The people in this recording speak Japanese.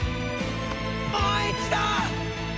もう一度！